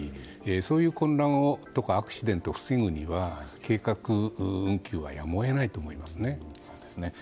そういう混乱とかアクシデントを防ぐには計画運休はやむを得ないと思いますね。